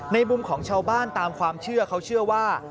มุมของชาวบ้านตามความเชื่อเขาเชื่อว่า